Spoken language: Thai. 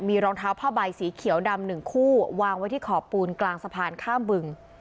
มีรองเท้าผ้าใบสีเขียวดำหนึ่งคู่วางไว้ที่ขอบปูนกลางสะพานข้ามบึง